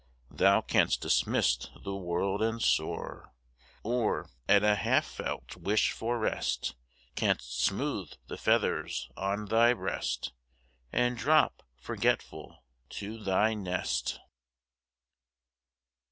Thou canst dismiss the world and soar, Or, at a half felt wish for rest. Canst smooth the feathers on thy breast, And drop, forgetful, to thy nest.